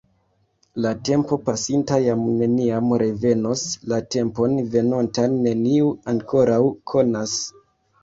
La tempo pasinta jam neniam revenos; la tempon venontan neniu ankoraŭ konas.